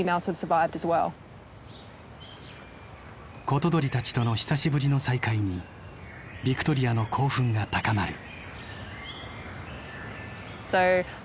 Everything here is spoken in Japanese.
コトドリたちとの久しぶりの再会にヴィクトリアの興奮が高まる。